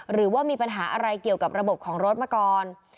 หรือว่ามีปัญหาอะไรเกี่ยวกับระบบของรถมาก่อน